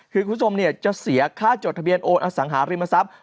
คือคุณผู้ชมจะเสียค่าจดทะเบียนโอนอสังหาริมทรัพย์